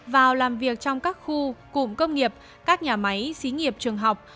vào làm việc trong các khu cụm công nghiệp các nhà máy xí nghiệp trường học